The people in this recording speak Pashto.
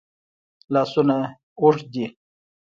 لاسونه اوږد دي.